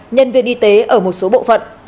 nhân viên y tế ở một số bộ phận